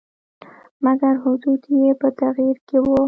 مګر حدود یې په تغییر کې وو.